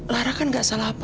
lara kan gak salah apa